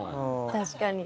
確かに。